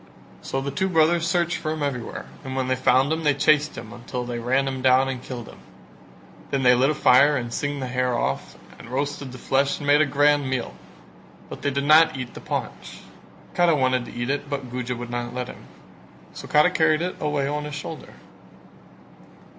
So the two brothers searched for him everywhere and when they found him they chased him until they ran him down and killed him; then they lit a fire and singed the hair off and roasted the flesh and made a grand meal: but they did not eat the paunch. Kara wanted to eat it but Guja would not let him, so Kara carried it away on his shoulder.